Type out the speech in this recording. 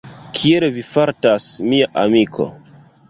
Kiel vi fartas, mia amiko?